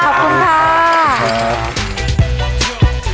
โปรดติดตามตอนต่อไป